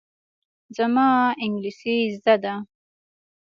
زما انګرېزي زده ده.